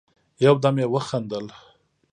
يودم يې وخندل: